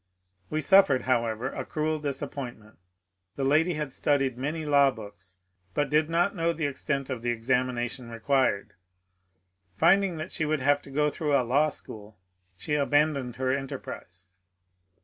We su£Fered, however, a cruel disappointment. The lady had studied many law books, but did not know the extent of. the examination required. Finding that she would have to go through a law school, she abandoned her enterprise.